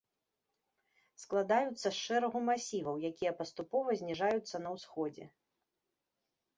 Складаюцца з шэрагу масіваў, якія паступова зніжаюцца на ўсходзе.